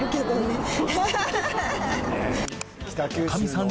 女将さん